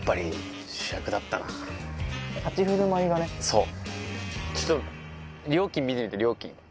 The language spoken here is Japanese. そう。